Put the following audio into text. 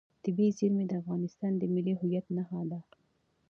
طبیعي زیرمې د افغانستان د ملي هویت نښه ده.